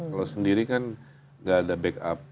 kalau sendiri kan nggak ada backup